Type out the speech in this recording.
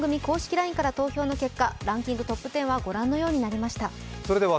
ＬＩＮＥから投票の結果、ランキングＴＯＰ１０はご覧のようになりました。